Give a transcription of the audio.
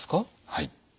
はい。